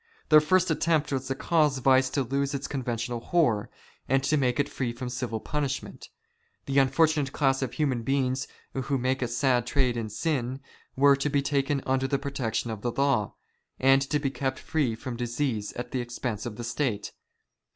Their first attempt was to cause vice to lose its conventional horror, and to make it free from civil punishment. The unfortunate class of human beings who make a sad trade in sin, were to be taken under the protec tion of the law, and to be kept free from disease at the expense of the State.